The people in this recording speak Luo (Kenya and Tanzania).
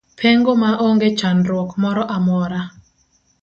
Pengo ma onge chandruok moro amora.